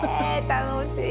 楽しい。